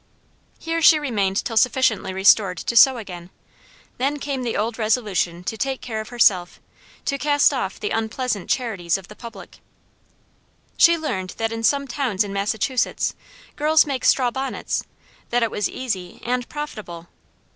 Here she remained till sufficiently restored to sew again. Then came the old resolution to take care of herself, to cast off the unpleasant charities of the public. She learned that in some towns in Massachusetts, girls make straw bonnets that it was easy and profitable.